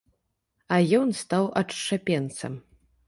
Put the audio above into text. А ён стаў адшчапенцам.